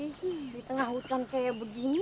hai di tengah hutan kayak begini